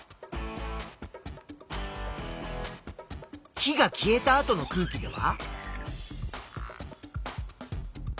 火が消えた後の空気では？